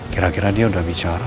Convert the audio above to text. kira kira dia udah bicara